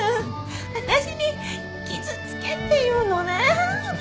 私に傷つけっていうのね。